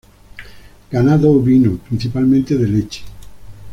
Ganado ovino, principalmente de leche.